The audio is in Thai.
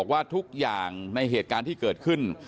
ว่าทุกอย่างในเหตุการณ์ที่เกิดขึ้น